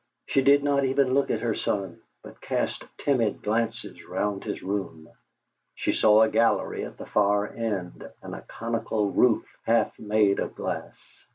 She did not even look at her son, but cast timid glances round his room. She saw a gallery at the far end, and a conical roof half made of glass.